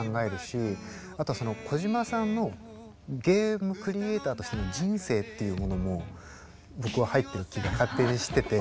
あとはその小島さんのゲームクリエーターとしての人生っていうものも僕は入ってる気が勝手にしてて。